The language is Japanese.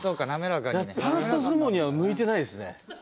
パンスト相撲には向いてないですね。